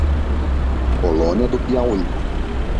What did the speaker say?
Colônia do Piauí